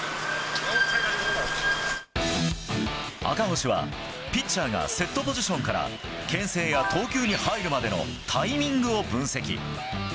赤星は、ピッチャーがセットポジションから牽制や投球に入るまでのタイミングを分析。